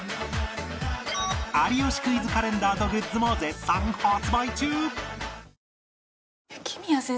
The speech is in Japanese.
『有吉クイズ』カレンダーとグッズも絶賛発売中！